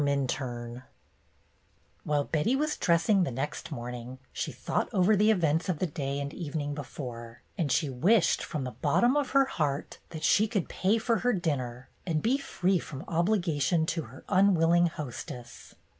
MINTURNE W HILE Betty was dressing the next morning, she thought over the events of the day and evening before, and she wished from the bottom of her heart that she could pay for her dinner and be free from obligation to her unwilling hostess.